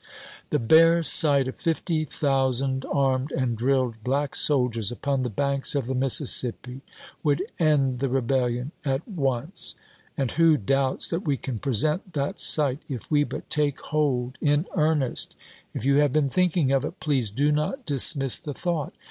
The bare sight of fifty thou sand armed and drilled black soldiers upon the banks of the Mississippi would end the rebellion at once. And who doubts that we can present that Lincoln to sight if wc but take hold in earnest ? If you have joiineon, bccu thinking of it, please do not dismiss the 1863. Ms! thought."